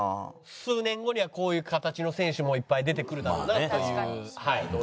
数年後にはこういう形の選手もいっぱい出てくるだろうなという。